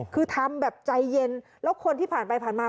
คือทำแบบใจเย็นแล้วคนที่ผ่านไปผ่านมา